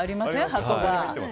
箱が。